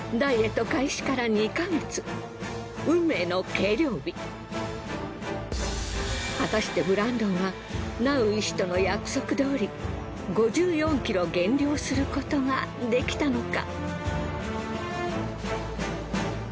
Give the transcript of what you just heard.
そして果たしてブランドンはナウ医師との約束どおり５４ｋｇ減量することができたのか？